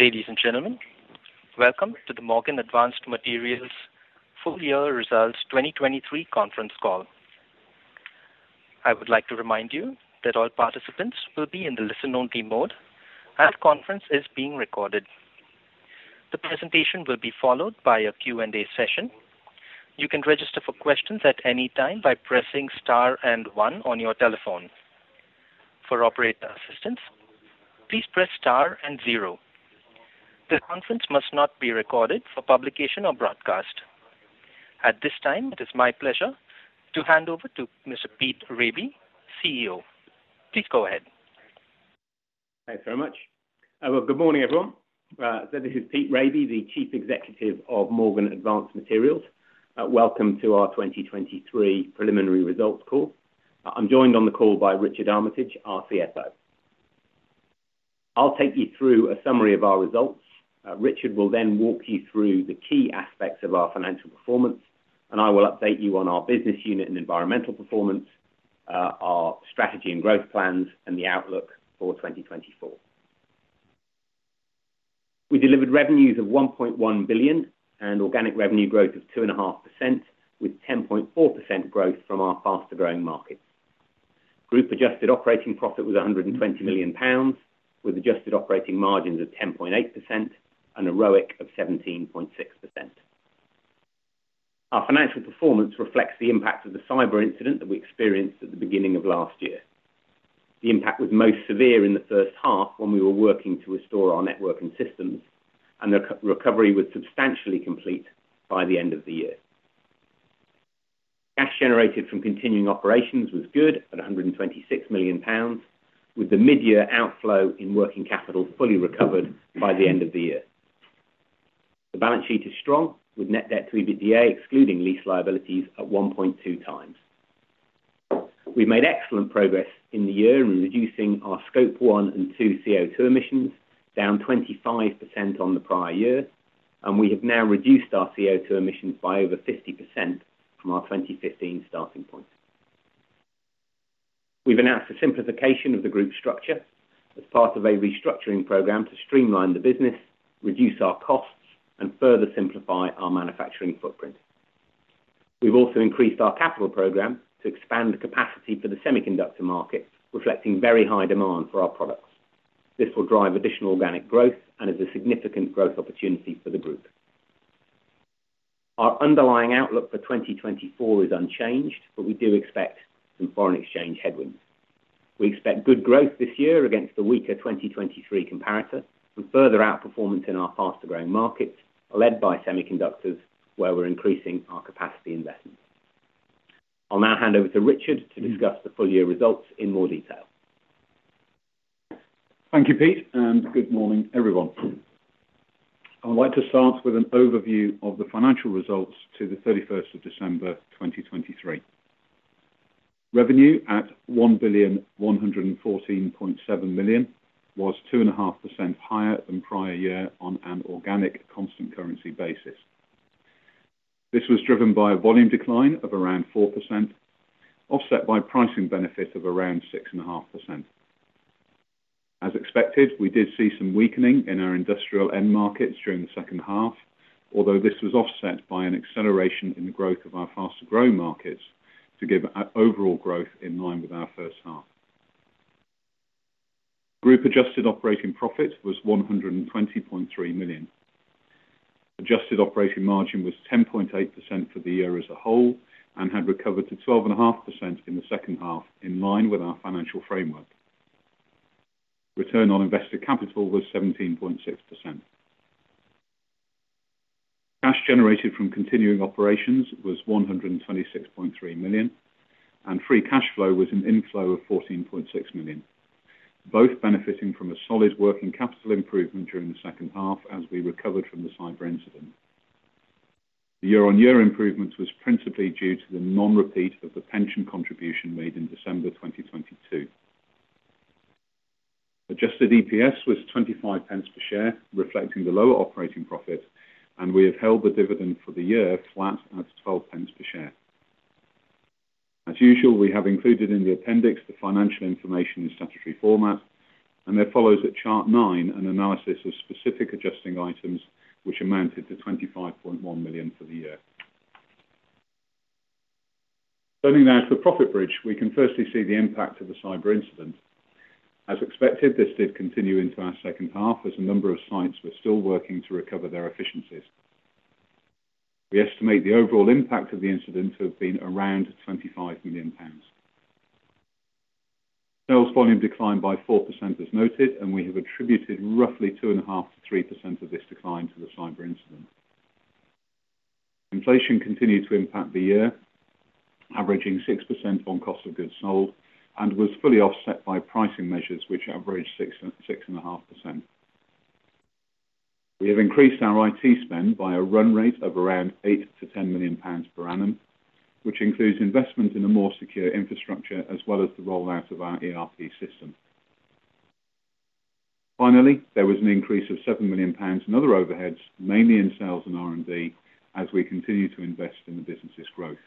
Ladies and gentlemen, welcome to the Morgan Advanced Materials full-year results 2023 conference call. I would like to remind you that all participants will be in the listen-only mode and the conference is being recorded. The presentation will be followed by a Q&A session. You can register for questions at any time by pressing star and one on your telephone. For operator assistance, please press star and zero. The conference must not be recorded for publication or broadcast. At this time, it is my pleasure to hand over to Mr. Pete Raby, CEO. Please go ahead. Thanks very much. Well, good morning, everyone. So this is Pete Raby, the Chief Executive of Morgan Advanced Materials. Welcome to our 2023 preliminary results call. I'm joined on the call by Richard Armitage, our CFO. I'll take you through a summary of our results. Richard will then walk you through the key aspects of our financial performance, and I will update you on our business unit and environmental performance, our strategy and growth plans, and the outlook for 2024. We delivered revenues of 1.1 billion and organic revenue growth of 2.5% with 10.4% growth from our faster-growing markets. Group adjusted operating profit was 120 million pounds, with adjusted operating margins of 10.8% and a ROIC of 17.6%. Our financial performance reflects the impact of the cyber incident that we experienced at the beginning of last year. The impact was most severe in the first half when we were working to restore our network and systems, and the recovery was substantially complete by the end of the year. Cash generated from continuing operations was good at 126 million pounds, with the mid-year outflow in working capital fully recovered by the end of the year. The balance sheet is strong, with net debt to EBITDA excluding lease liabilities at 1.2 times. We've made excellent progress in the year in reducing our Scope 1 and 2 CO2 emissions down 25% on the prior year, and we have now reduced our CO2 emissions by over 50% from our 2015 starting point. We've announced a simplification of the group structure as part of a restructuring program to streamline the business, reduce our costs, and further simplify our manufacturing footprint. We've also increased our capital program to expand capacity for the semiconductor market, reflecting very high demand for our products. This will drive additional organic growth and is a significant growth opportunity for the group. Our underlying outlook for 2024 is unchanged, but we do expect some foreign exchange headwinds. We expect good growth this year against the weaker 2023 comparator and further outperformance in our faster-growing markets led by semiconductors, where we're increasing our capacity investment. I'll now hand over to Richard to discuss the full-year results in more detail. Thank you, Pete, and good morning, everyone. I would like to start with an overview of the financial results to the 31st of December, 2023. Revenue at 1,114.7 million was 2.5% higher than prior year on an organic constant-currency basis. This was driven by a volume decline of around 4%, offset by pricing benefit of around 6.5%. As expected, we did see some weakening in our industrial end markets during the second half, although this was offset by an acceleration in the growth of our faster-growing markets to give overall growth in line with our first half. Group adjusted operating profit was 120.3 million. Adjusted operating margin was 10.8% for the year as a whole and had recovered to 12.5% in the second half in line with our financial framework. Return on invested capital was 17.6%. Cash generated from continuing operations was 126.3 million, and free cash flow was an inflow of 14.6 million, both benefiting from a solid working capital improvement during the second half as we recovered from the cyber incident. The year-on-year improvement was principally due to the non-repeat of the pension contribution made in December 2022. Adjusted EPS was 0.25 per share, reflecting the lower operating profit, and we have held the dividend for the year flat at 0.12 per share. As usual, we have included in the appendix the financial information in statutory format, and there follows at Chart 9 an analysis of specific adjusting items which amounted to 25.1 million for the year. Turning now to the profit bridge, we can firstly see the impact of the cyber incident. As expected, this did continue into our second half as a number of sites were still working to recover their efficiencies. We estimate the overall impact of the incident to have been around 25 million pounds. Sales volume declined by 4% as noted, and we have attributed roughly 2.5%-3% of this decline to the cyber incident. Inflation continued to impact the year, averaging 6% on cost of goods sold, and was fully offset by pricing measures which averaged 6.5%. We have increased our IT spend by a run rate of around 8 million-10 million pounds per annum, which includes investment in a more secure infrastructure as well as the rollout of our ERP system. Finally, there was an increase of 7 million pounds in other overheads, mainly in sales and R&D, as we continue to invest in the business's growth.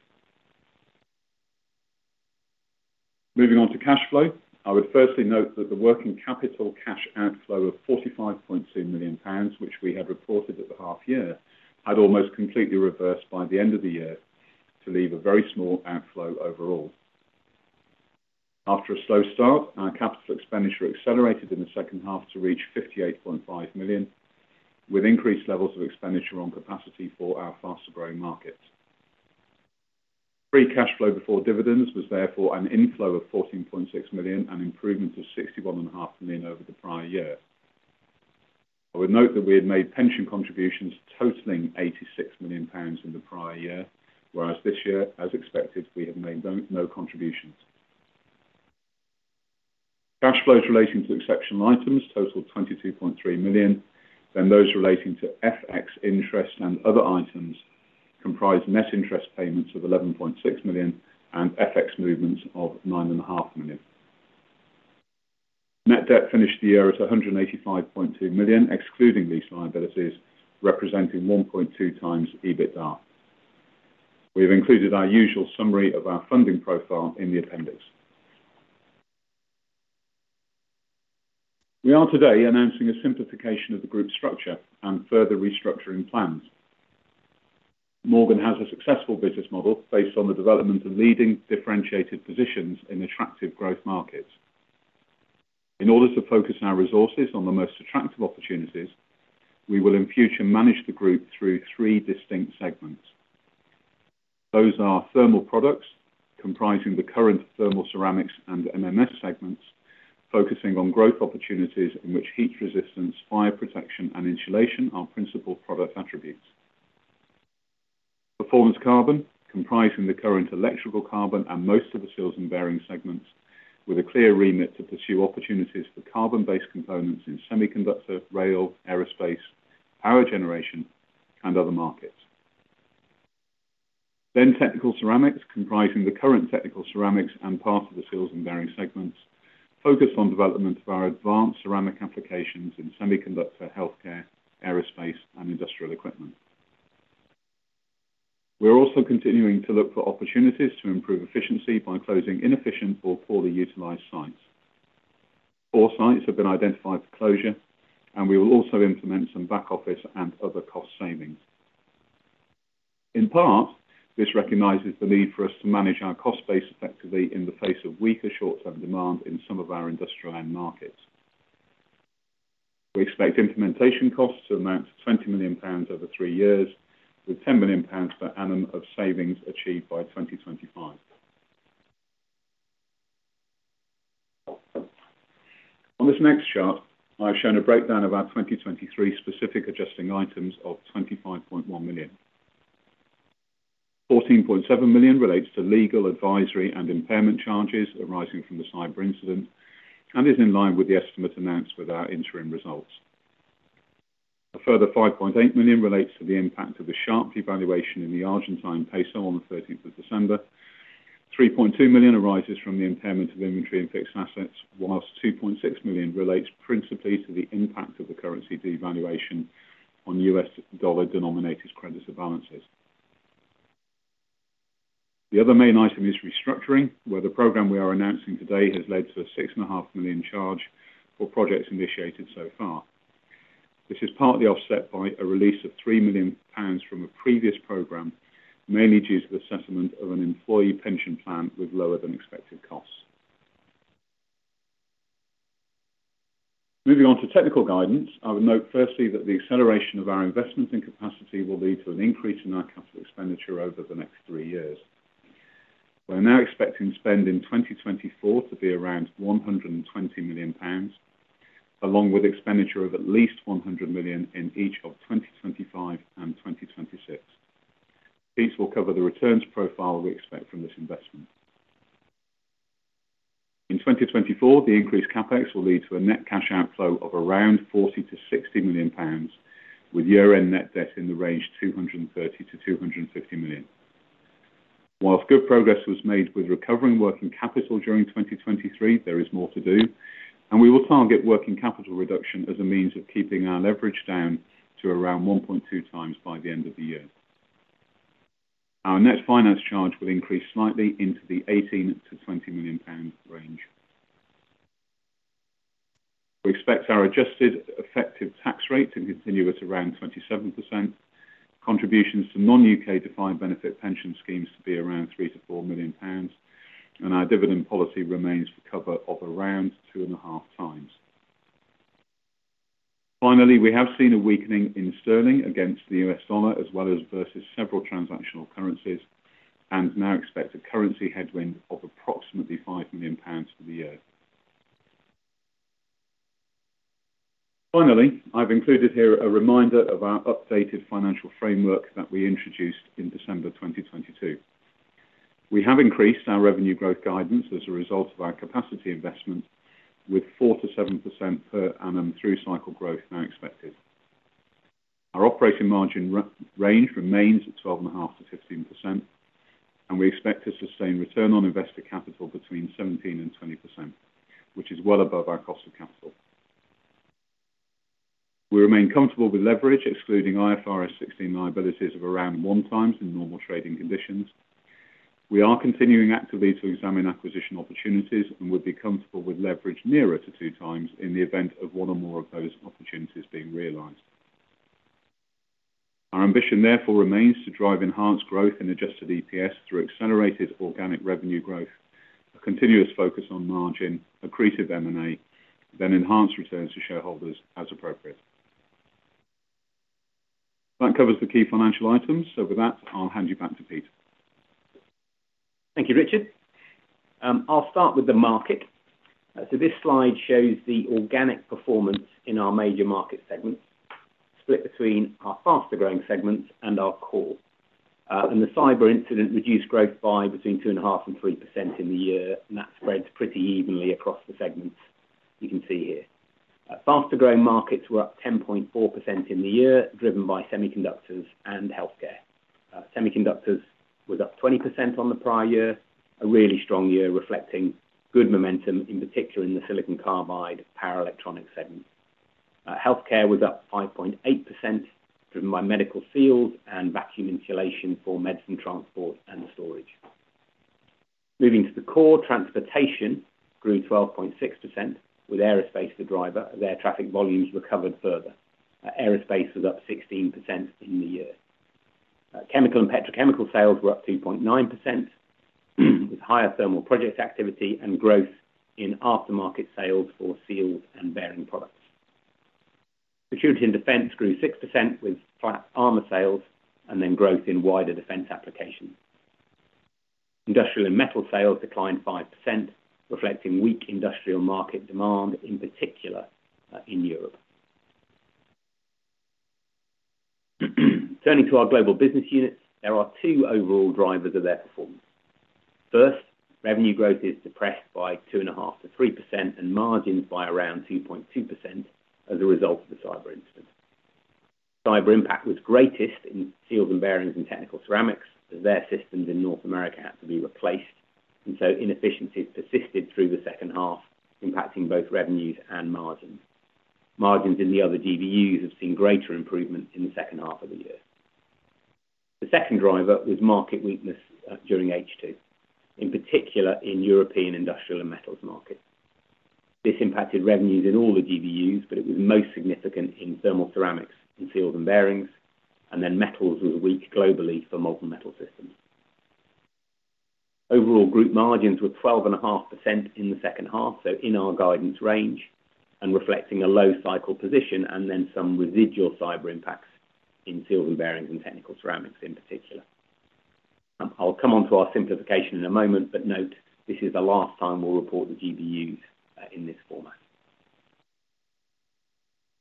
Moving on to cash flow, I would firstly note that the working capital cash outflow of 45.2 million pounds, which we had reported at the half-year, had almost completely reversed by the end of the year to leave a very small outflow overall. After a slow start, our capital expenditure accelerated in the second half to reach 58.5 million, with increased levels of expenditure on capacity for our faster-growing markets. Free cash flow before dividends was therefore an inflow of 14.6 million and improvement of 61.5 million over the prior year. I would note that we had made pension contributions totaling 86 million pounds in the prior year, whereas this year, as expected, we have made no contributions. Cash flows relating to exceptional items totaled 22.3 million, then those relating to FX interest and other items comprised net interest payments of 11.6 million and FX movements of 9.5 million. Net debt finished the year at 185.2 million excluding lease liabilities, representing 1.2 times EBITDA. We have included our usual summary of our funding profile in the appendix. We are today announcing a simplification of the group structure and further restructuring plans. Morgan has a successful business model based on the development of leading differentiated positions in attractive growth markets. In order to focus our resources on the most attractive opportunities, we will in future manage the group through three distinct segments. Those are Thermal Products, comprising the current Thermal Ceramics and MMS segments, focusing on growth opportunities in which heat resistance, fire protection, and insulation are principal product attributes. Performance Carbon, comprising the current Electrical Carbon and most of the Seals and Bearings segments, with a clear remit to pursue opportunities for carbon-based components in semiconductor, rail, aerospace, power generation, and other markets. Technical Ceramics, comprising the current Technical Ceramics and part of the Seals and Bearings segments, focused on development of our advanced ceramic applications in semiconductor, healthcare, aerospace, and industrial equipment. We are also continuing to look for opportunities to improve efficiency by closing inefficient or poorly utilized sites. Four sites have been identified for closure, and we will also implement some back-office and other cost savings. In part, this recognizes the need for us to manage our cost base effectively in the face of weaker short-term demand in some of our industrial end markets. We expect implementation costs to amount to 20 million pounds over three years, with 10 million pounds per annum of savings achieved by 2025. On this next chart, I've shown a breakdown of our 2023 specific adjusting items of 25.1 million. 14.7 million relates to legal, advisory, and impairment charges arising from the cyber incident and is in line with the estimate announced with our interim results. A further 5.8 million relates to the impact of the sharp devaluation in the Argentine peso on the 13th of December. 3.2 million arises from the impairment of inventory and fixed assets, while 2.6 million relates principally to the impact of the currency devaluation on U.S. dollar denominated credit balances. The other main item is restructuring, where the program we are announcing today has led to a 6.5 million charge for projects initiated so far. This is partly offset by a release of 3 million pounds from a previous program, mainly due to the settlement of an employee pension plan with lower-than-expected costs. Moving on to technical guidance, I would note firstly that the acceleration of our investment in capacity will lead to an increase in our capital expenditure over the next three years. We are now expecting spend in 2024 to be around 120 million pounds, along with expenditure of at least 100 million in each of 2025 and 2026. These will cover the returns profile we expect from this investment. In 2024, the increased CapEx will lead to a net cash outflow of around 40 million-60 million pounds, with year-end net debt in the range 230 million-250 million. While good progress was made with recovering working capital during 2023, there is more to do, and we will target working capital reduction as a means of keeping our leverage down to around 1.2 times by the end of the year. Our net finance charge will increase slightly into the 18 million-20 million pound range. We expect our adjusted effective tax rate to continue at around 27%, contributions to non-UK defined benefit pension schemes to be around 3 million-4 million pounds, and our dividend policy remains to cover of around 2.5 times. Finally, we have seen a weakening in sterling against the US dollar as well as versus several transactional currencies and now expect a currency headwind of approximately 5 million pounds for the year. Finally, I've included here a reminder of our updated financial framework that we introduced in December 2022. We have increased our revenue growth guidance as a result of our capacity investment, with 4%-7% per annum through-cycle growth now expected. Our operating margin re-range remains at 12.5%-15%, and we expect to sustain return on invested capital between 17%-20%, which is well above our cost of capital. We remain comfortable with leverage excluding IFRS 16 liabilities of around 1x in normal trading conditions. We are continuing actively to examine acquisition opportunities and would be comfortable with leverage nearer to 2x in the event of one or more of those opportunities being realized. Our ambition, therefore, remains to drive enhanced growth in adjusted EPS through accelerated organic revenue growth, a continuous focus on margin, accretive M&A, then enhanced returns to shareholders as appropriate. That covers the key financial items. So with that, I'll hand you back to Pete. Thank you, Richard. I'll start with the market. So this slide shows the organic performance in our major market segments, split between our faster-growing segments and our core. And the cyber incident reduced growth by between 2.5% and 3% in the year, and that spreads pretty evenly across the segments, you can see here. Faster-growing markets were up 10.4% in the year, driven by semiconductors and healthcare. Semiconductors was up 20% on the prior year, a really strong year reflecting good momentum, in particular in the silicon carbide power electronics segment. Healthcare was up 5.8%, driven by medical feedthroughs and vacuum insulation for medicine transport and storage. Moving to the core, transportation grew 12.6%, with aerospace the driver. Air traffic volumes recovered further. Aerospace was up 16% in the year. Chemical and petrochemical sales were up 2.9%, with higher thermal project activity and growth in aftermarket sales for Seals and Bearings products. Security and defense grew 6%, with flat armor sales and then growth in wider defense applications. Industrial and metals sales declined 5%, reflecting weak industrial market demand, in particular, in Europe. Turning to our global business units, there are two overall drivers of their performance. First, revenue growth is depressed by 2.5%-3% and margins by around 2.2% as a result of the cyber incident. Cyber impact was greatest in Seals and Bearings and Technical Ceramics, as their systems in North America had to be replaced, and so inefficiencies persisted through the second half, impacting both revenues and margins. Margins in the other GBUs have seen greater improvement in the second half of the year. The second driver was market weakness, during H2, in particular in European industrial and metals markets. This impacted revenues in all the GBUs, but it was most significant in Thermal Ceramics and Seals and Bearings, and then metals was weak globally for Molten Metal Systems. Overall group margins were 12.5% in the second half, so in our guidance range, and reflecting a low cycle position and then some residual cyber impacts in Seals and Bearings and Technical Ceramics in particular. I'll come onto our simplification in a moment, but note, this is the last time we'll report the GBUs, in this format.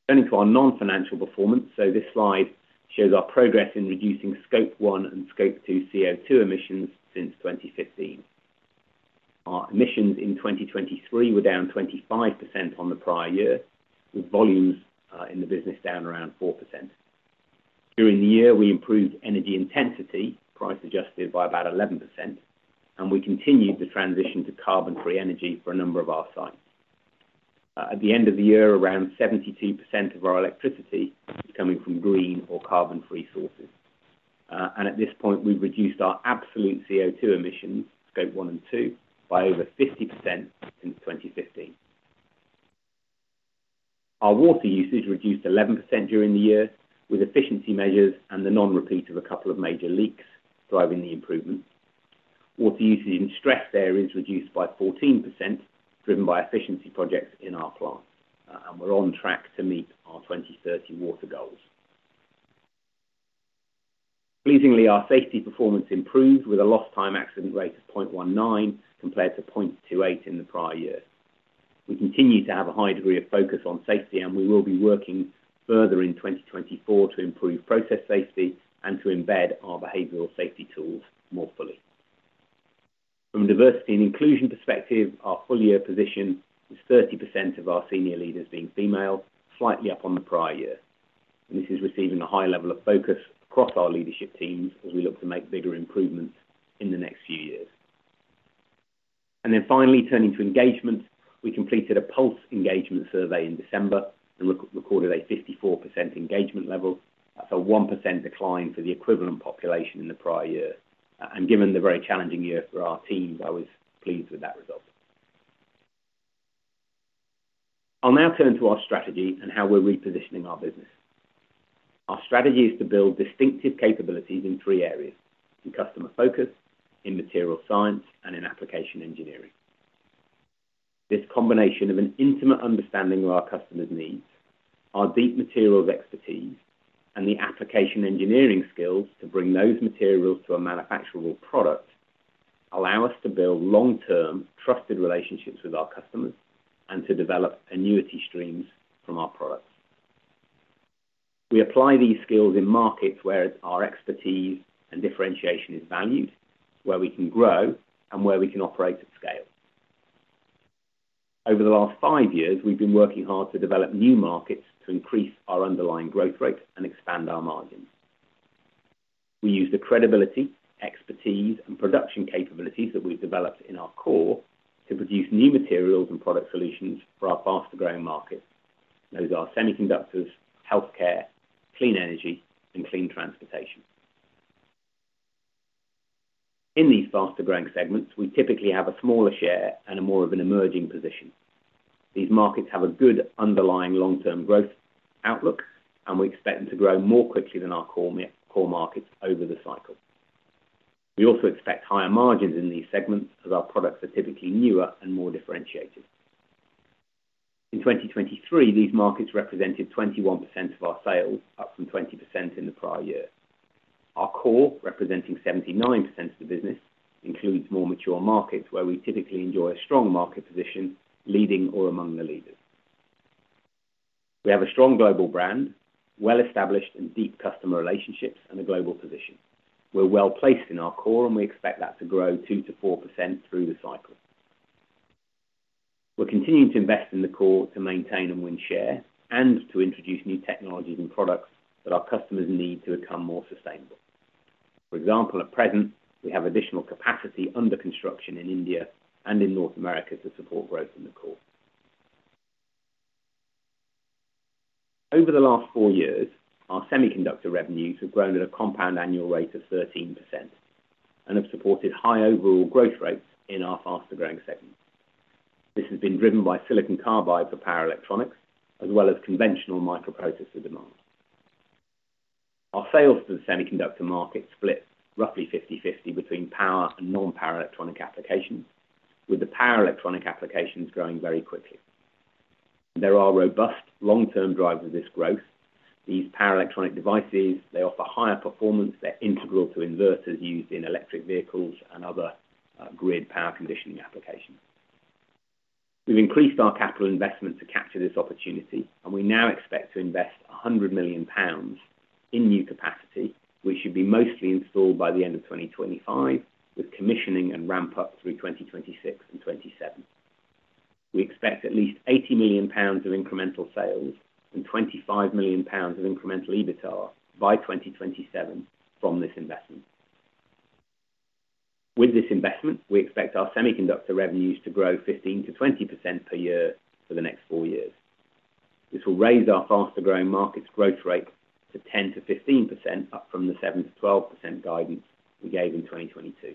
Turning to our non-financial performance, so this slide shows our progress in reducing Scope 1 and Scope 2 CO2 emissions since 2015. Our emissions in 2023 were down 25% on the prior year, with volumes, in the business down around 4%. During the year, we improved energy intensity, price adjusted by about 11%, and we continued the transition to carbon-free energy for a number of our sites. At the end of the year, around 72% of our electricity was coming from green or carbon-free sources. And at this point, we've reduced our absolute CO2 emissions, Scope 1 and 2, by over 50% since 2015. Our water usage reduced 11% during the year, with efficiency measures and the non-repeat of a couple of major leaks driving the improvement. Water usage in stressed areas reduced by 14%, driven by efficiency projects in our plant. And we're on track to meet our 2030 water goals. Pleasingly, our safety performance improved, with a lost-time accident rate of 0.19 compared to 0.28 in the prior year. We continue to have a high degree of focus on safety, and we will be working further in 2024 to improve process safety and to embed our behavioral safety tools more fully. From a diversity and inclusion perspective, our full-year position was 30% of our senior leaders being female, slightly up on the prior year. This is receiving a high level of focus across our leadership teams as we look to make bigger improvements in the next few years. Finally, turning to engagement, we completed a Pulse engagement survey in December and re-recorded a 54% engagement level. That's a 1% decline for the equivalent population in the prior year. Given the very challenging year for our teams, I was pleased with that result. I'll now turn to our strategy and how we're repositioning our business. Our strategy is to build distinctive capabilities in three areas: in customer focus, in materials science, and in application engineering. This combination of an intimate understanding of our customers' needs, our deep materials expertise, and the application engineering skills to bring those materials to a manufacturable product allow us to build long-term, trusted relationships with our customers and to develop annuity streams from our products. We apply these skills in markets where it's our expertise and differentiation is valued, where we can grow, and where we can operate at scale. Over the last five years, we've been working hard to develop new markets to increase our underlying growth rate and expand our margins. We use the credibility, expertise, and production capabilities that we've developed in our core to produce new materials and product solutions for our faster-growing markets. Those are semiconductors, healthcare, clean energy, and clean transportation. In these faster-growing segments, we typically have a smaller share and a more of an emerging position. These markets have a good underlying long-term growth outlook, and we expect them to grow more quickly than our core markets over the cycle. We also expect higher margins in these segments as our products are typically newer and more differentiated. In 2023, these markets represented 21% of our sales, up from 20% in the prior year. Our core, representing 79% of the business, includes more mature markets where we typically enjoy a strong market position, leading or among the leaders. We have a strong global brand, well-established and deep customer relationships, and a global position. We're well-placed in our core, and we expect that to grow 2%-4% through the cycle. We're continuing to invest in the core to maintain and win share and to introduce new technologies and products that our customers need to become more sustainable. For example, at present, we have additional capacity under construction in India and in North America to support growth in the core. Over the last 4 years, our semiconductor revenues have grown at a compound annual rate of 13% and have supported high overall growth rates in our faster-growing segments. This has been driven by silicon carbide for power electronics as well as conventional microprocessor demand. Our sales to the semiconductor market split roughly 50/50 between power and non-power electronic applications, with the power electronic applications growing very quickly. There are robust long-term drivers of this growth. These power electronic devices, they offer higher performance. They're integral to inverters used in electric vehicles and other, grid power conditioning applications. We've increased our capital investment to capture this opportunity, and we now expect to invest 100 million pounds in new capacity, which should be mostly installed by the end of 2025, with commissioning and ramp-up through 2026 and 2027. We expect at least 80 million pounds of incremental sales and 25 million pounds of incremental EBITDA by 2027 from this investment. With this investment, we expect our semiconductor revenues to grow 15%-20% per year for the next four years. This will raise our faster-growing market's growth rate to 10%-15%, up from the 7%-12% guidance we gave in 2022.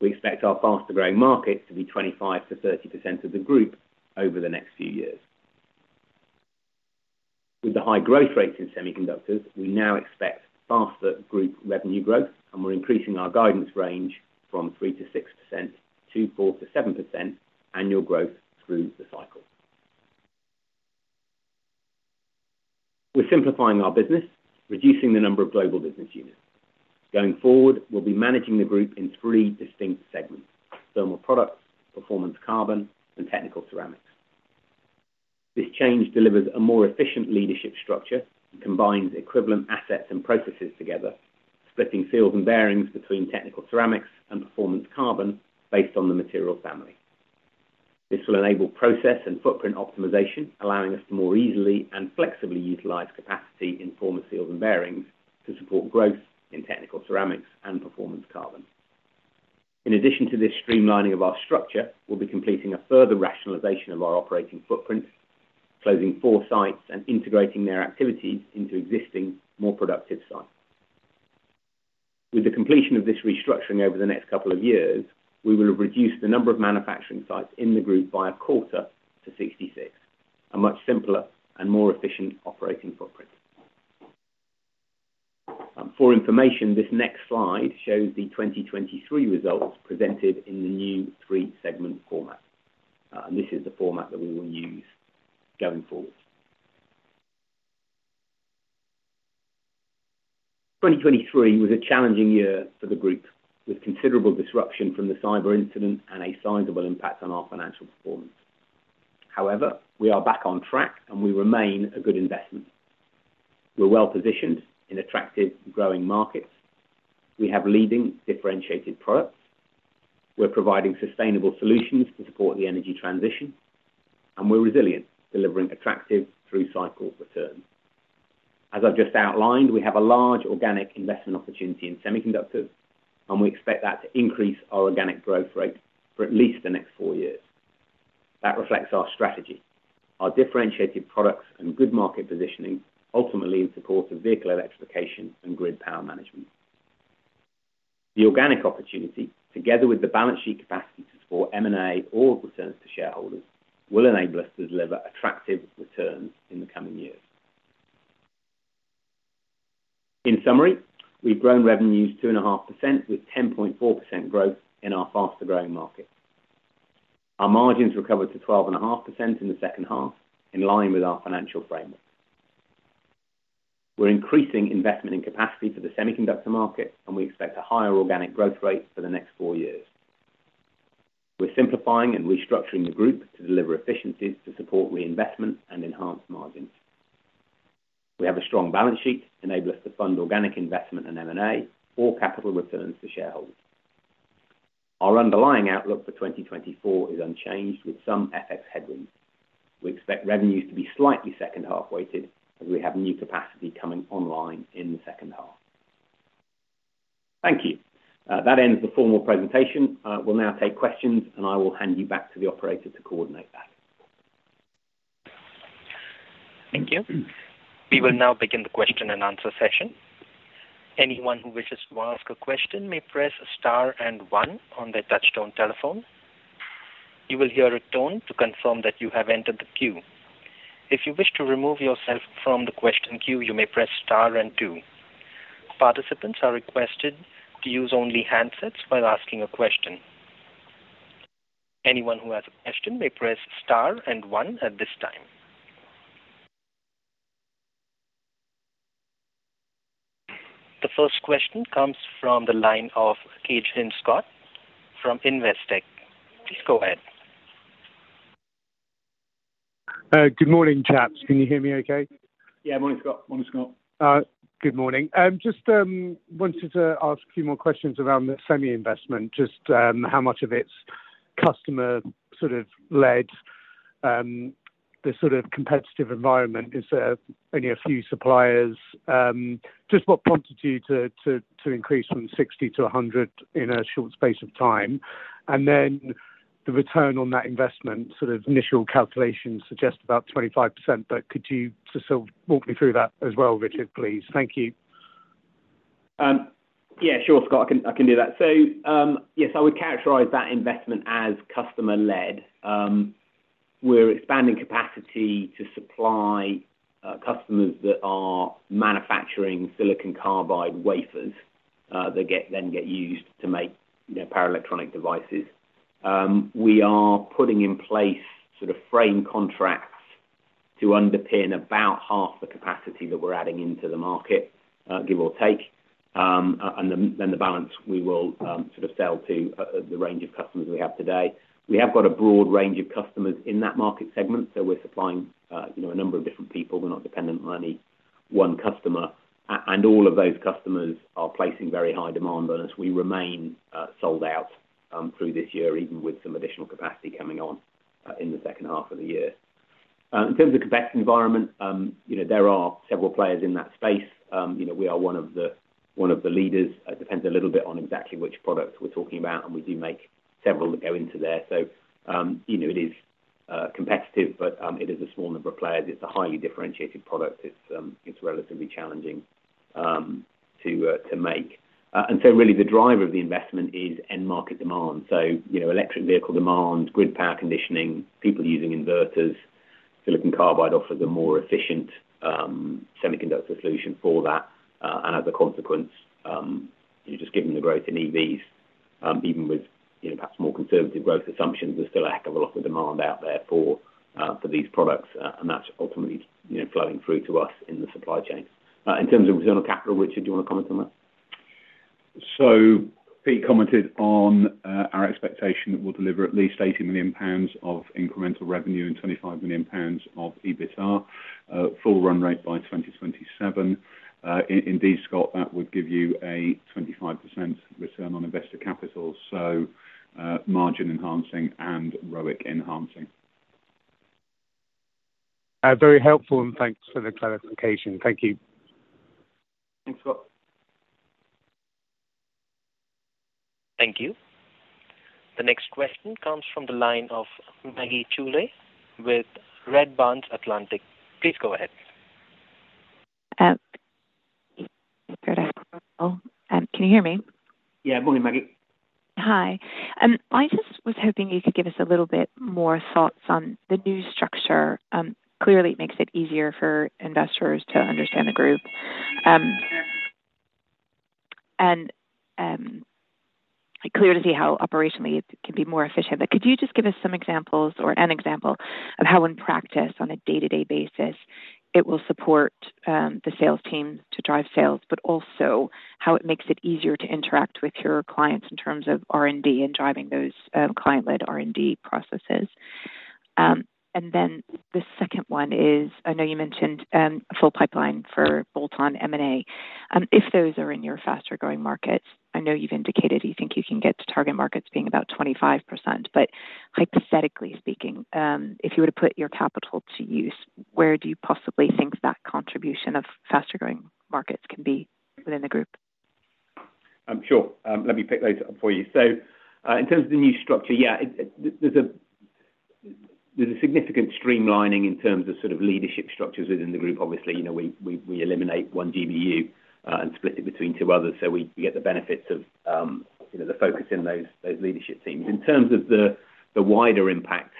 We expect our faster-growing markets to be 25%-30% of the group over the next few years. With the high growth rates in semiconductors, we now expect faster group revenue growth, and we're increasing our guidance range from 3%-6% to 4%-7% annual growth through the cycle. We're simplifying our business, reducing the number of global business units. Going forward, we'll be managing the group in three distinct segments: Thermal Products, Performance Carbon, and Technical Ceramics. This change delivers a more efficient leadership structure and combines equivalent assets and processes together, splitting Seals and Bearings between Technical Ceramics and Performance Carbon based on the material family. This will enable process and footprint optimization, allowing us to more easily and flexibly utilize capacity in former Seals and Bearings to support growth in Technical Ceramics and Performance Carbon. In addition to this streamlining of our structure, we'll be completing a further rationalization of our operating footprint, closing 4 sites and integrating their activities into existing, more productive sites. With the completion of this restructuring over the next couple of years, we will have reduced the number of manufacturing sites in the group by a quarter to 66, a much simpler and more efficient operating footprint. For information, this next slide shows the 2023 results presented in the new 3-segment format. And this is the format that we will use going forward. 2023 was a challenging year for the group, with considerable disruption from the cyber incident and a sizable impact on our financial performance. However, we are back on track, and we remain a good investment. We're well-positioned in attractive, growing markets. We have leading, differentiated products. We're providing sustainable solutions to support the energy transition, and we're resilient, delivering attractive through-cycle returns. As I've just outlined, we have a large organic investment opportunity in semiconductors, and we expect that to increase our organic growth rate for at least the next four years. That reflects our strategy, our differentiated products and good market positioning, ultimately in support of vehicle electrification and grid power management. The organic opportunity, together with the balance sheet capacity to support M&A or returns to shareholders, will enable us to deliver attractive returns in the coming years. In summary, we've grown revenues 2.5%, with 10.4% growth in our faster-growing market. Our margins recovered to 12.5% in the second half, in line with our financial framework. We're increasing investment in capacity for the semiconductor market, and we expect a higher organic growth rate for the next four years. We're simplifying and restructuring the group to deliver efficiencies to support reinvestment and enhanced margins. We have a strong balance sheet, enable us to fund organic investment and M&A or capital returns to shareholders. Our underlying outlook for 2024 is unchanged, with some FX headwinds. We expect revenues to be slightly second-half weighted as we have new capacity coming online in the second half. Thank you. That ends the formal presentation. We'll now take questions, and I will hand you back to the operator to coordinate that. Thank you. We will now begin the question and answer session. Anyone who wishes to ask a question may press star and one on their touchtone telephone. You will hear a tone to confirm that you have entered the queue. If you wish to remove yourself from the question queue, you may press star and two. Participants are requested to use only handsets while asking a question. Anyone who has a question may press star and one at this time. The first question comes from the line of Scott Cagehin from Investec. Please go ahead. Good morning, chaps. Can you hear me okay? Yeah, morning, Scott. Morning, Scott. Good morning. Just wanted to ask a few more questions around the semi-investment. Just, how much of it's customer-sort-of-led, the sort of competitive environment. Is there only a few suppliers? Just what prompted you to increase from 60 to 100 in a short space of time? And then the return on that investment, sort of initial calculations suggest about 25%, but could you just sort of walk me through that as well, Richard, please? Thank you. Yeah, sure, Scott. I can, I can do that. So, yes, I would characterize that investment as customer-led. We're expanding capacity to supply customers that are manufacturing silicon carbide wafers that then get used to make, you know, power electronic devices. We are putting in place sort of frame contracts to underpin about half the capacity that we're adding into the market, give or take. And then the balance we will sort of sell to the range of customers we have today. We have got a broad range of customers in that market segment, so we're supplying, you know, a number of different people. We're not dependent on any one customer. And all of those customers are placing very high demand on us. We remain sold out through this year, even with some additional capacity coming on in the second half of the year. In terms of competitive environment, you know, there are several players in that space. You know, we are one of the leaders. It depends a little bit on exactly which product we're talking about, and we do make several that go into there. So, you know, it is competitive, but it is a small number of players. It's a highly differentiated product. It's relatively challenging to make. And so really the driver of the investment is end-market demand. So, you know, electric vehicle demand, grid power conditioning, people using inverters. Silicon carbide offers a more efficient semiconductor solution for that. And as a consequence, you know, just given the growth in EVs, even with, you know, perhaps more conservative growth assumptions, there's still a heck of a lot of demand out there for these products, and that's ultimately, you know, flowing through to us in the supply chain. In terms of return on capital, Richard, do you want to comment on that? So Pete commented on our expectation that we'll deliver at least 80 million pounds of incremental revenue and 25 million pounds of EBITDA, full run rate by 2027. Indeed, Scott, that would give you a 25% return on investor capital. So, margin enhancing and ROIC enhancing. Very helpful, and thanks for the clarification. Thank you. Thanks, Scott. Thank you. The next question comes from the line of Maggie Schooley with Redburn Atlantic. Please go ahead. Sorry to have to cut you off. Can you hear me? Yeah, morning, Maggie. Hi. I just was hoping you could give us a little bit more thoughts on the new structure. Clearly, it makes it easier for investors to understand the group, and clear to see how operationally it can be more efficient, but could you just give us some examples or an example of how, in practice, on a day-to-day basis, it will support the sales team to drive sales, but also how it makes it easier to interact with your clients in terms of R&D and driving those client-led R&D processes? And then the second one is, I know you mentioned a full pipeline for bolt-on M&A. If those are in your faster-growing markets, I know you've indicated you think you can get to target markets being about 25%, but hypothetically speaking, if you were to put your capital to use, where do you possibly think that contribution of faster-growing markets can be within the group? Sure. Let me pick those up for you. So, in terms of the new structure, yeah, there's a significant streamlining in terms of sort of leadership structures within the group, obviously. You know, we eliminate one GBU, and split it between two others, so we get the benefits of, you know, the focus in those leadership teams. In terms of the wider impact,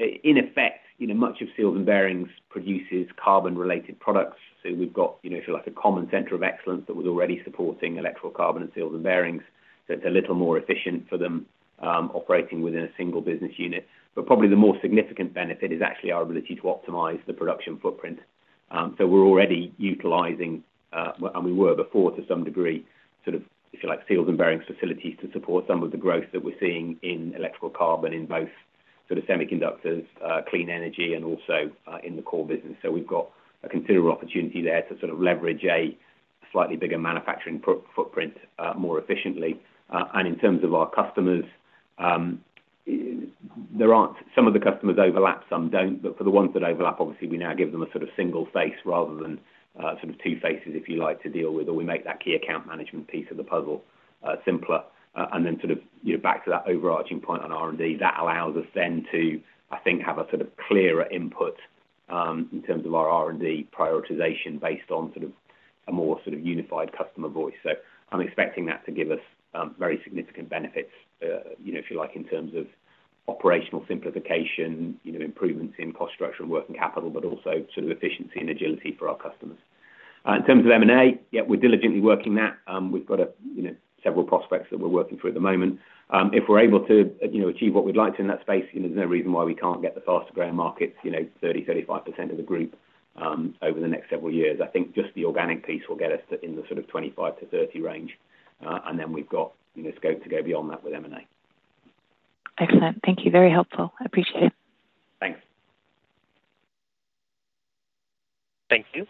in effect, you know, much of Seals and Bearings produces carbon-related products. So we've got, you know, if you like, a common center of excellence that was already supporting electrical carbon and Seals and Bearings. So it's a little more efficient for them, operating within a single business unit. But probably the more significant benefit is actually our ability to optimize the production footprint. So we're already utilizing, and we were before to some degree, sort of, if you like, Seals and Bearings facilities to support some of the growth that we're seeing in electrical carbon in both sort of semiconductors, clean energy, and also in the core business. So we've got a considerable opportunity there to sort of leverage a slightly bigger manufacturing footprint more efficiently. And in terms of our customers, it there are some of the customers overlap, some don't, but for the ones that overlap, obviously, we now give them a sort of single face rather than sort of two faces, if you like, to deal with, or we make that key account management piece of the puzzle simpler. And then sort of, you know, back to that overarching point on R&D, that allows us then to, I think, have a sort of clearer input, in terms of our R&D prioritization based on sort of a more sort of unified customer voice. So I'm expecting that to give us very significant benefits, you know, if you like, in terms of operational simplification, you know, improvements in cost structure and working capital, but also sort of efficiency and agility for our customers. In terms of M&A, yeah, we're diligently working that. We've got a, you know, several prospects that we're working through at the moment. If we're able to, you know, achieve what we'd like to in that space, you know, there's no reason why we can't get the faster-growing markets, you know, 30%-35% of the group, over the next several years. I think just the organic piece will get us to in the sort of 25-30 range, and then we've got, you know, scope to go beyond that with M&A. Excellent. Thank you. Very helpful. Appreciate it. Thanks. Thank you.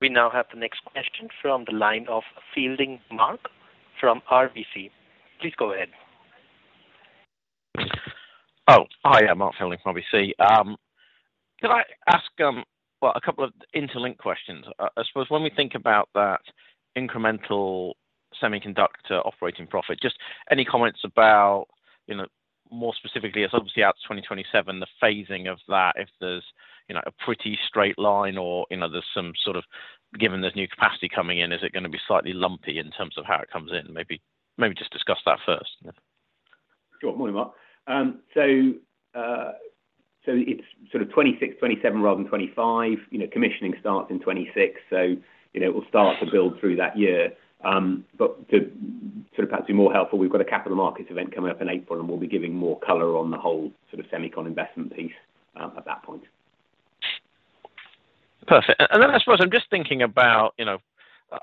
We now have the next question from the line of Mark Fielding from RBC. Please go ahead. Oh, hi. Yeah, Mark Fielding from RBC. Could I ask, well, a couple of interlinked questions. I suppose when we think about that incremental semiconductor operating profit, just any comments about, you know, more specifically, as obviously out to 2027, the phasing of that, if there's, you know, a pretty straight line or, you know, there's some sort of given there's new capacity coming in, is it going to be slightly lumpy in terms of how it comes in? Maybe, maybe just discuss that first, you know. Sure. Morning, Mark. So, so it's sort of 2026, 2027 rather than 2025. You know, commissioning starts in 2026, so, you know, it will start to build through that year. But to sort of perhaps be more helpful, we've got a capital markets event coming up in April, and we'll be giving more color on the whole sort of semicond investment piece, at that point. Perfect. And then I suppose I'm just thinking about, you know, well,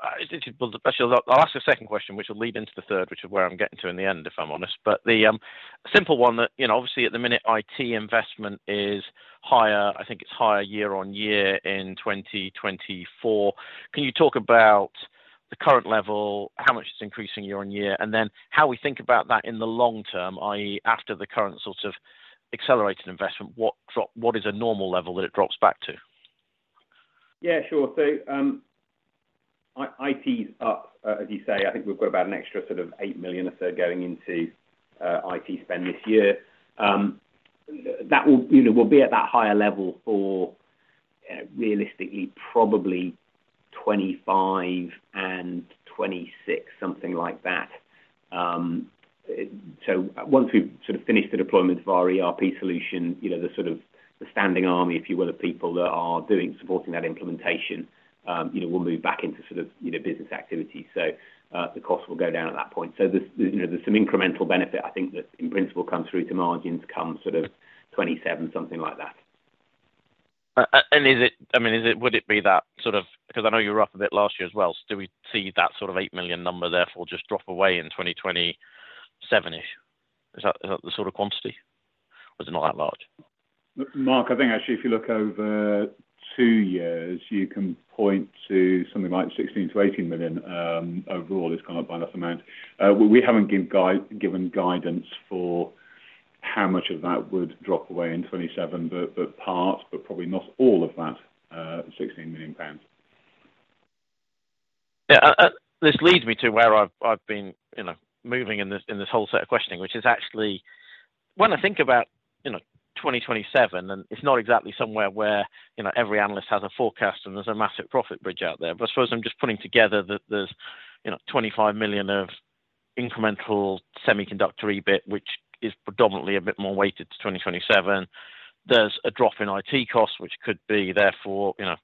actually, I'll ask you a second question, which will lead into the third, which is where I'm getting to in the end, if I'm honest. But the simple one that, you know, obviously at the minute, IT investment is higher I think it's higher year-on-year in 2024. Can you talk about the current level, how much it's increasing year-on-year, and then how we think about that in the long term, i.e., after the current sort of accelerated investment, what is a normal level that it drops back to? Yeah, sure. So, It's up, as you say. I think we've got about an extra sort of 8 million or so going into IT spend this year. That will, you know, will be at that higher level for, you know, realistically, probably 2025 and 2026, something like that. So once we've sort of finished the deployment of our ERP solution, you know, the sort of the standing army, if you will, of people that are doing supporting that implementation, you know, we'll move back into sort of, you know, business activity. So, the cost will go down at that point. So there's, you know, there's some incremental benefit. I think that, in principle, comes through to margins, comes sort of 2027, something like that. And is it, I mean, is it would it be that sort of, because I know you were off a bit last year as well. Do we see that sort of 8 million number therefore just drop away in 2027-ish? Is that, is that the sort of quantity? Or is it not that large? Mark, I think actually, if you look over two years, you can point to something like 16 million-18 million. Overall, it's gone up by enough amount. We haven't given guidance for how much of that would drop away in 2027, but part but probably not all of that, 16 million pounds. Yeah. This leads me to where I've, I've been, you know, moving in this in this whole set of questioning, which is actually when I think about, you know, 2027, and it's not exactly somewhere where, you know, every analyst has a forecast, and there's a massive profit bridge out there. But I suppose I'm just putting together that there's, you know, 25 million of incremental semiconductor EBIT, which is predominantly a bit more weighted to 2027. There's a drop in IT costs, which could be therefore, you know,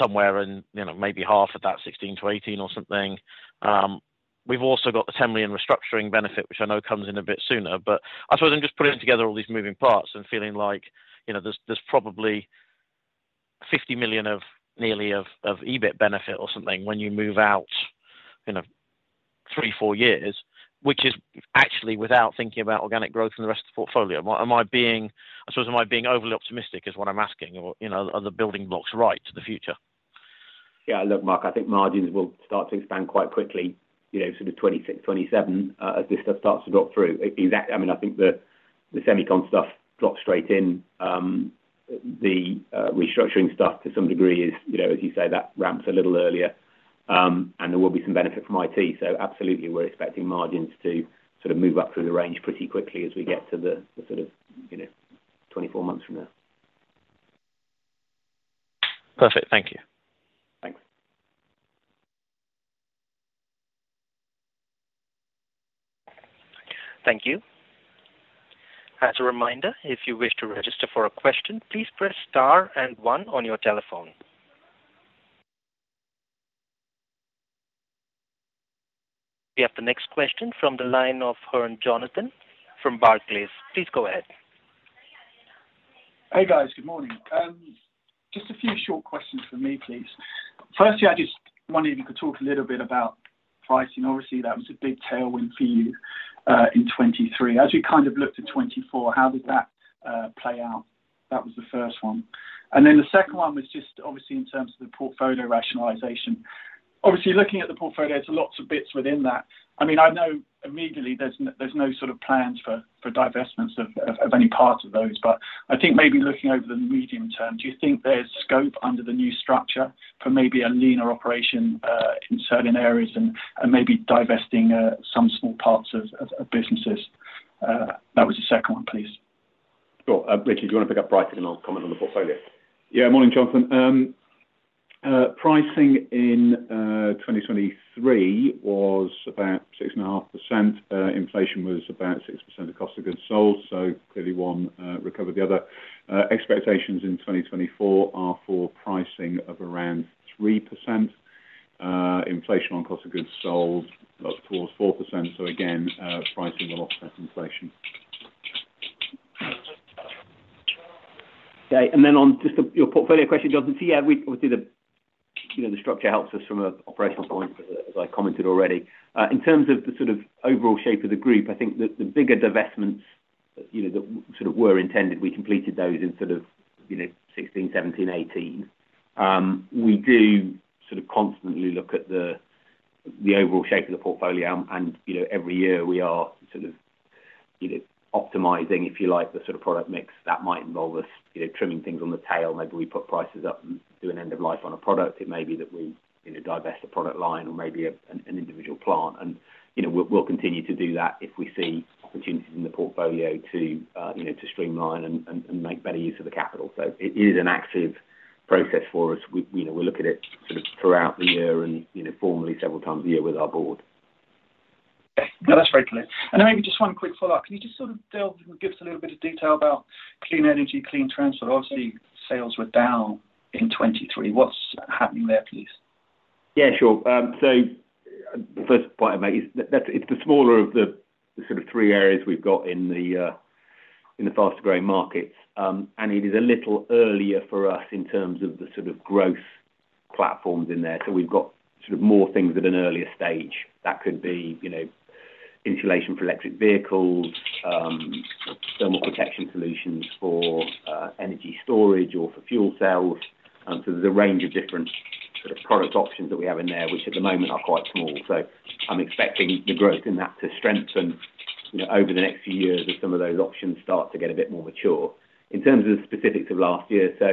somewhere in, you know, maybe half of that, 16 million-18 million or something. We've also got the 10 million restructuring benefit, which I know comes in a bit sooner. But I suppose I'm just putting together all these moving parts and feeling like, you know, there's probably 50 million nearly of EBIT benefit or something when you move out, you know, 3-4 years, which is actually without thinking about organic growth in the rest of the portfolio. Am I, am I being I suppose am I being overly optimistic is what I'm asking, or, you know, are the building blocks right to the future? Yeah. Look, Mark, I think margins will start to expand quite quickly, you know, sort of 2026, 2027, as this stuff starts to drop through. I mean, I think the semiconductor stuff drops straight in. The restructuring stuff to some degree is, you know, as you say, that ramps a little earlier. And there will be some benefit from IT. So absolutely, we're expecting margins to sort of move up through the range pretty quickly as we get to the, the sort of, you know, 24 months from now. Perfect. Thank you. Thanks. Thank you. As a reminder, if you wish to register for a question, please press star and one on your telephone. We have the next question from the line of Jonathan Hurn from Barclays. Please go ahead. Hey, guys. Good morning. Just a few short questions for me, please. Firstly, I just wondered if you could talk a little bit about pricing. Obviously, that was a big tailwind for you in 2023. As we kind of looked at 2024, how did that play out? That was the first one. And then the second one was just, obviously, in terms of the portfolio rationalization. Obviously, looking at the portfolio, there's lots of bits within that. I mean, I know immediately there's no sort of plans for divestments of any part of those, but I think maybe looking over the medium term, do you think there's scope under the new structure for maybe a leaner operation in certain areas and maybe divesting some small parts of businesses? That was the second one, please. Sure. Richard, do you want to pick up pricing, and I'll comment on the portfolio? Yeah. Morning, Jonathan. Pricing in 2023 was about 6.5%. Inflation was about 6% of cost of goods sold, so clearly one recovered the other. Expectations in 2024 are for pricing of around 3%. Inflation on cost of goods sold towards 4%. So again, pricing will offset inflation. Okay. And then on just your portfolio question, Jonathan. So yeah, we obviously, the you know, the structure helps us from an operational point, as I commented already. In terms of the sort of overall shape of the group, I think that the bigger divestments, you know, that we sort of were intended, we completed those in sort of, you know, 2016, 2017, 2018. We do sort of constantly look at the overall shape of the portfolio, and, you know, every year, we are sort of, you know, optimizing, if you like, the sort of product mix that might involve us, you know, trimming things on the tail. Maybe we put prices up and do an end-of-life on a product. It may be that we, you know, divest a product line or maybe an individual plant. You know, we'll continue to do that if we see opportunities in the portfolio to, you know, to streamline and make better use of the capital. So it is an active process for us. You know, we look at it sort of throughout the year and, you know, formally several times a year with our board. Okay. No, that's very clear. And then maybe just one quick follow-up. Can you just sort of delve and give us a little bit of detail about clean energy, clean transport? Obviously, sales were down in 2023. What's happening there, please? Yeah, sure. The first point I make is that that's it's the smaller of the sort of three areas we've got in the faster-growing markets. It is a little earlier for us in terms of the sort of growth platforms in there. We've got sort of more things at an earlier stage. That could be, you know, insulation for electric vehicles, thermal protection solutions for energy storage or for fuel cells. There's a range of different sort of product options that we have in there, which at the moment are quite small. I'm expecting the growth in that to strengthen, you know, over the next few years as some of those options start to get a bit more mature. In terms of the specifics of last year, so,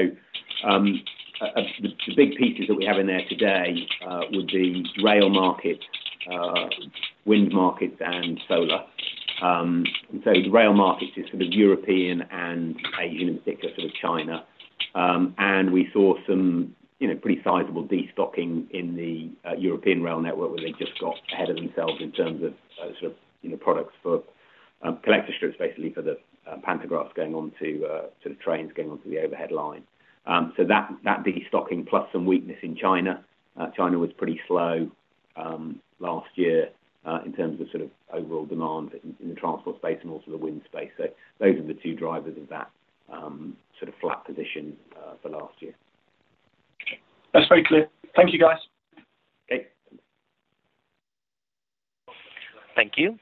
the big pieces that we have in there today would be rail markets, wind markets, and solar. And so the rail markets is sort of European and Asian, in particular, sort of China. And we saw some, you know, pretty sizable destocking in the European rail network where they just got ahead of themselves in terms of, sort of, you know, products for collector strips, basically, for the pantographs going onto, sort of trains going onto the overhead line. So that destocking plus some weakness in China. China was pretty slow, last year, in terms of sort of overall demand in the transport space and also the wind space. So those are the two drivers of that, sort of flat position, for last year. That's very clear. Thank you, guys. Okay. Thank you.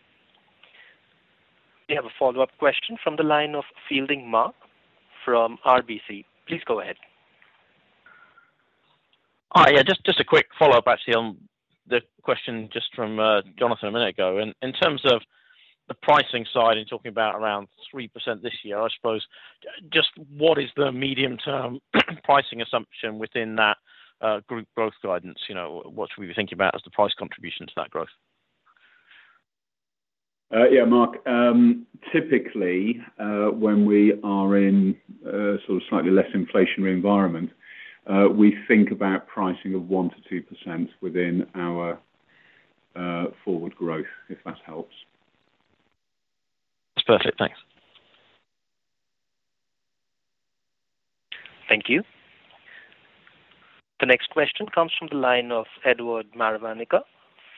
We have a follow-up question from the line of Mark Fielding from RBC. Please go ahead. Hi. Yeah, just a quick follow-up, actually, on the question just from Jonathan a minute ago. In terms of the pricing side and talking about around 3% this year, I suppose, just what is the medium-term pricing assumption within that, group growth guidance? You know, what should we be thinking about as the price contribution to that growth? Yeah, Mark. Typically, when we are in, sort of, slightly less inflationary environment, we think about pricing of 1%-2% within our forward growth, if that helps. That's perfect. Thanks. Thank you. The next question comes from the line of Martin Wilkie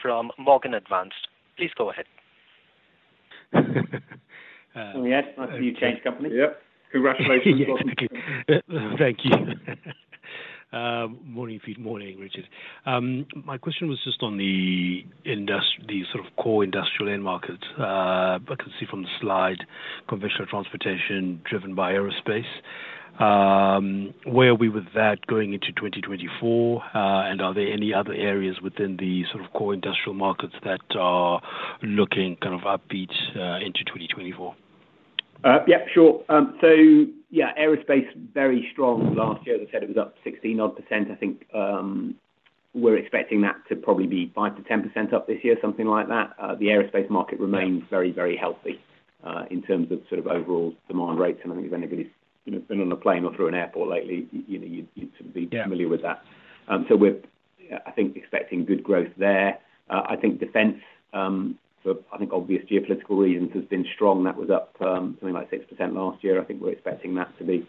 from Morgan Stanley. Please go ahead. Have we had? You changed company? Yep. Congratulations, Martin. Thank you. Good morning to you. Morning, Richard. My question was just on the industry, the sort of core industrial end markets. I can see from the slide, conventional transportation driven by aerospace. Where are we with that going into 2024, and are there any other areas within the sort of core industrial markets that are looking kind of upbeat into 2024? Yeah, sure. So yeah, aerospace very strong last year. As I said, it was up 16%-odd, I think. We're expecting that to probably be 5%-10% up this year, something like that. The aerospace market remains very, very healthy, in terms of sort of overall demand rates. And I think if anybody's, you know, been on a plane or through an airport lately, you know, you'd sort of be familiar with that. So we're, I think, expecting good growth there. I think defence, for, I think, obvious geopolitical reasons has been strong. That was up something like 6% last year. I think we're expecting that to be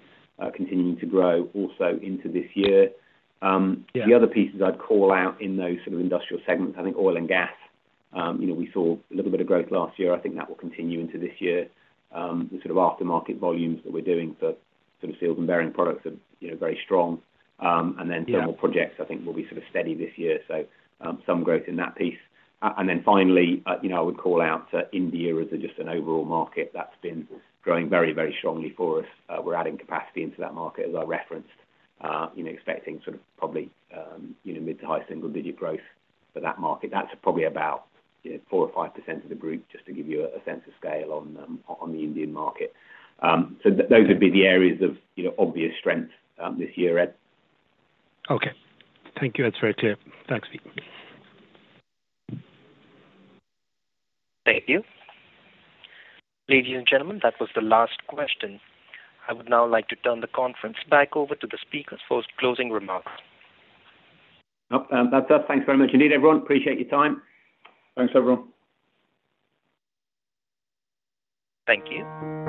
continuing to grow also into this year. The other pieces I'd call out in those sort of industrial segments, I think oil and gas, you know, we saw a little bit of growth last year. I think that will continue into this year. The sort of aftermarket volumes that we're doing for sort of Seals and Bearing products are, you know, very strong. And then thermal projects, I think, will be sort of steady this year. So, some growth in that piece. And then finally, you know, I would call out India as just an overall market that's been growing very, very strongly for us. We're adding capacity into that market, as I referenced, you know, expecting sort of probably, you know, mid to high single-digit growth for that market. That's probably about, you know, 4% or 5% of the group, just to give you a sense of scale on the Indian market. So those would be the areas of, you know, obvious strength this year, Ed. Okay. Thank you. That's very clear. Thanks, Pete. Thank you. Ladies and gentlemen, that was the last question. I would now like to turn the conference back over to the speakers for closing remarks. Yep. That does. Thanks very much, indeed, everyone. Appreciate your time. Thanks, everyone. Thank you.